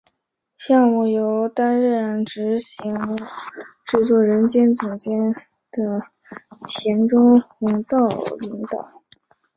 项目由担任执行制作人兼总监的田中弘道领导。